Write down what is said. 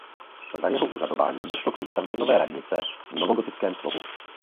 Za jeho úřadování došlo k výstavbě nové radnice v novogotickém slohu.